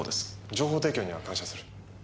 情報提供には感謝する。